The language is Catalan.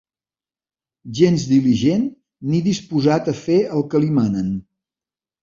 Gens diligent ni disposat a fer el que li manen.